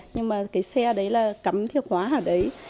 nhưng mà cái xe đấy là cắm thiệt hóa ở đấy